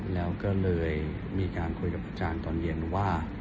แล้วก็เลยมีการคุยกับอาจารย์ตอนเย็นว่า